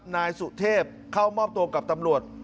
นายสุเทพเข้ามอบตัวกับตำรวจ